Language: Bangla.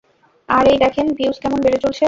আর এই দেখেন ভিউস কেমন বেড়ে চলছে।